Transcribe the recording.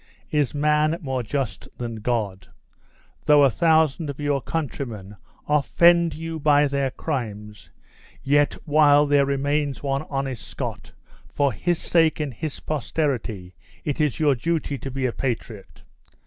"Is man more just than God? Though a thousand of your countrymen offend you by their crimes, yet while there remains one honest Scot, for his sake and his posterity it is your duty to be a patriot.